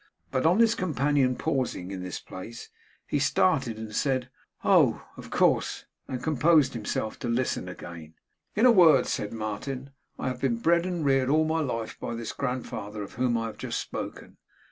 But on his companion pausing in this place, he started, and said 'Oh! of course' and composed himself to listen again. 'In a word,' said Martin, 'I have been bred and reared all my life by this grandfather of whom I have just spoken.